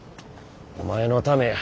お前のためや。